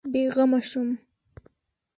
بېغمه شوم.